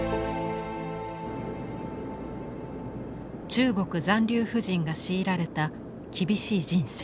中国残留婦人が強いられた厳しい人生。